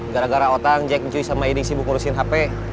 gara gara otang jack joy sama ini sibuk ngurusin hp